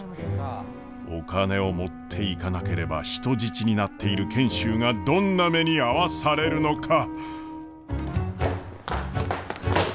お金を持っていかなければ人質になっている賢秀がどんな目に遭わされるのか。